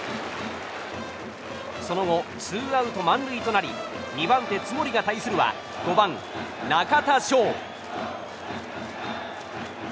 その後ツーアウト満塁となり２番手、津森が対するは５番、中田翔。